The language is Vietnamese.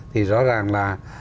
thì rõ ràng là